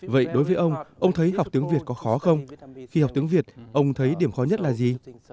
vậy đối với ông ông thấy học tiếng việt có khó không khi học tiếng việt ông thấy điểm khó nhất là gì